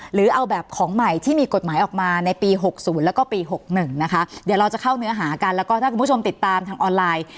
หรือเอาแบบของใหม่ที่มีกฎหมายออกมาในปีหกศูนย์แล้วก็ปี๖๑นะคะเดี๋ยวเราจะเข้าเนื้อหากันแล้วก็ถ้าคุณผู้ชมติดตามทางออนไลน์